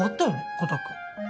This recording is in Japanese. コタくん。